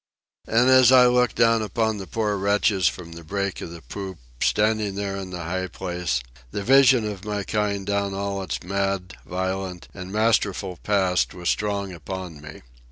And as I looked down upon the poor wretches from the break of the poop, standing there in the high place, the vision of my kind down all its mad, violent, and masterful past was strong upon me.